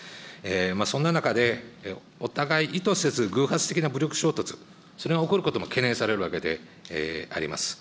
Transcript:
そんな中で、お互い意図せず偶発的な武力衝突、それが起こることも懸念されるわけであります。